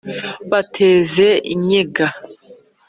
bateze inyenga.